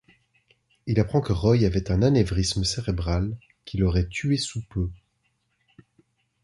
Il apprend que Roy avait un anévrisme cérébral qui l'aurait tué sous peu.